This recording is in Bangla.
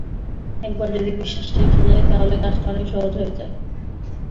একবার যদি বিশ্বাসটা এসে যায়, তাহলে কাজটা অনেক সহজ হয়ে যায়।